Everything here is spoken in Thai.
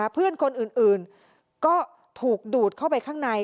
เพื่อนคนอื่นก็ถูกดูดเข้าไปข้างใน